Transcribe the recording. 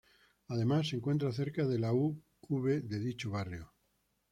Además se encuentra cerca de la U. V. de dicho barrio.